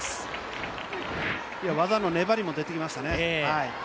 技の粘りも出てきましたね。